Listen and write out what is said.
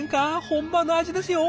本場の味ですよ。